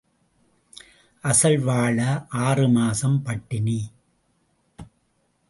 அசல் வாழ ஆறு மாசம் பட்டினி.